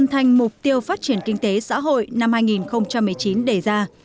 thành mục tiêu phát triển kinh tế xã hội năm hai nghìn một mươi chín đề ra